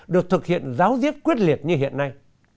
được thực hiện giáo diết quyết liệt như hiện nay